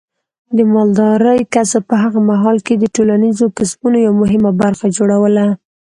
د مالدارۍ کسب په هغه مهال کې د ټولنیزو کسبونو یوه مهمه برخه جوړوله.